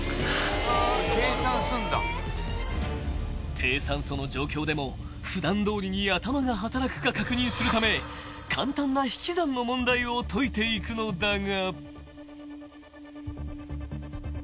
［低酸素の状況でも普段どおりに頭が働くか確認するため簡単な引き算の問題を解いていくのだが］